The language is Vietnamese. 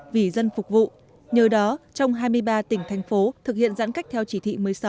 vì dân phục vụ nhờ đó trong hai mươi ba tỉnh thành phố thực hiện giãn cách theo chỉ thị một mươi sáu